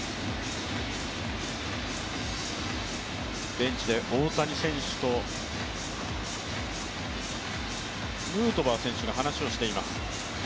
ベンチで大谷選手とヌートバー選手が話をしています。